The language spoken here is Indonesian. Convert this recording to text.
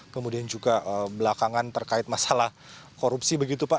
kemudian juga belakangan terkait masalah korupsi begitu pak